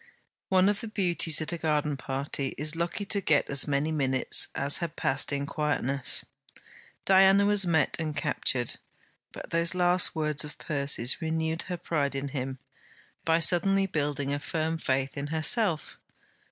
One of the Beauties at a garden party is lucky to get as many minutes as had passed in quietness. Diana was met and captured. But those last words of Percy's renewed her pride in him by suddenly building a firm faith in herself.